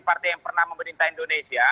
partai yang pernah memerintah indonesia